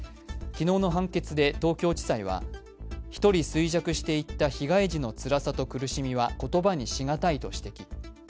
昨日の判決で東京地裁は１人衰弱していった被害者のつらさと苦しみは言葉にしがたいと指摘。